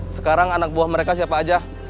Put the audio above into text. sekarang anak buah mereka siapa aja